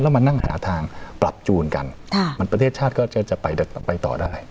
แล้วมานั่งหาทางปรับจูนกันประเทศชาติก็จะไปต่อได้